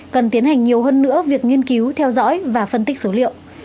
cần tiến hành nhiều hơn nữa việc nghiên cứu theo dõi và phân tích số liệu